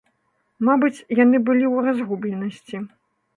Мабыць, яны былі ў разгубленасці.